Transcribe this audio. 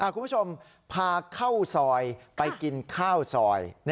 คุณผู้ชมพาเข้าซอยไปกินข้าวซอย